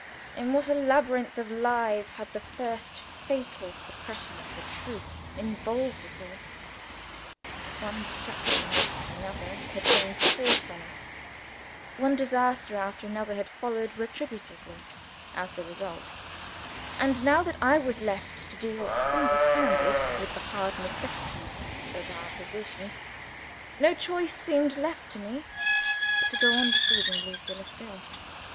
In what a labyrinth of lies had the first fatal suppression of the truth involved us all! One deception after another had been forced on us; one disaster after another had followed retributively as the result and, now that I was left to deal single handed with the hard necessities of our position, no choice seemed left to me but to go on deceiving Lucilla still!